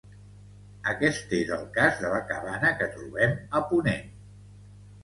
Aquest és el cas de la cabana que trobem a ponent.